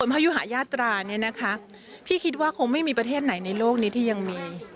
พยุหายาตราเนี่ยนะคะพี่คิดว่าคงไม่มีประเทศไหนในโลกนี้ที่ยังมี